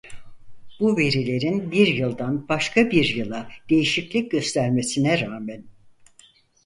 Bu verilerin bir yıldan başka bir yıla değişiklik göstermesine rağmen.